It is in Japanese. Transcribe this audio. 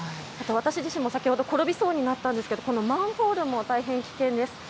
あと、私自身も先ほど転びそうになったんですがマンホールも大変危険です。